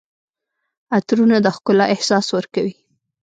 عطرونه د ښکلا احساس ورکوي.